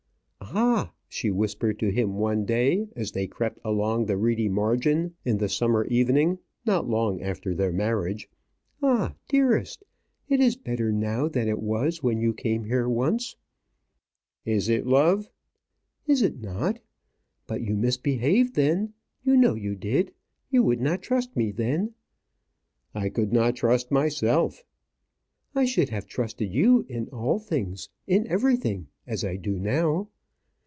"Ah!" she whispered to him one day, as they crept along the reedy margin in the summer evening, not long after their marriage. "Ah! dearest, it is better now than it was when you came here once." "Is it, love?" "Is it not? But you misbehaved then you know you did. You would not trust me then." "I could not trust myself." "I should have trusted you in all things, in everything. As I do now."